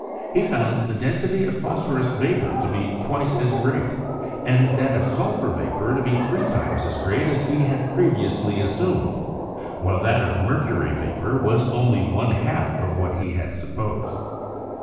He found the density of phosphorus vapor to be twice as great, and that of sul phur vapor to be three times as great as he had previously assumed, while that of mercury vapor was only one half of what he had supposed.